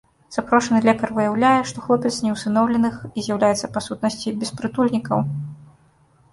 Запрошаны лекар выяўляе, што хлопец не усыноўленых і з'яўляецца па сутнасці беспрытульнікаў.